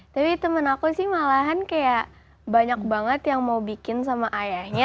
tapi temen aku sih malahan kayak banyak banget yang mau bikin sama ayahnya